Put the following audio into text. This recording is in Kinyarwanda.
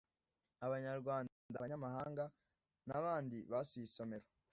abanyarwanda abanyamahanga n abandi basuye isomero